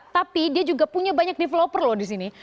tapi dia juga punya banyak developer loh di sini